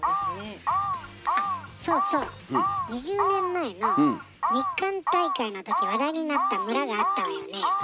そうそう、２０年前の日韓大会の時話題になった村があったわよね。